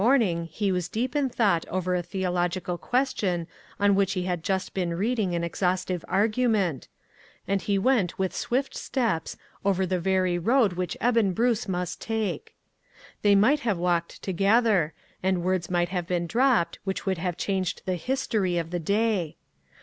morning lie was deep in thought over a theological question on which he had just been reading an exhaustive argument, and he went with swift steps, over the very road which Eben Bruce must take. They might have walked together, and words might have been dropped which would have changed the history of the day.